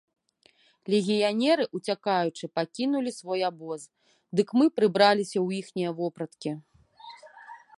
Легіянеры, уцякаючы, пакінулі свой абоз, дык мы прыбраліся ў іхнія вопраткі.